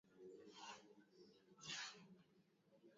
Alijiunga na Chuo Kikuu cha Havana ambapo alisomea Sheria